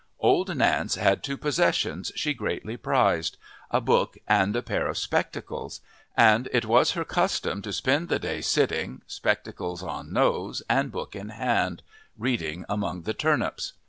Old Nance had two possessions she greatly prized a book and a pair of spectacles, and it was her custom to spend the day sitting, spectacles on nose and book in hand, reading among the turnips.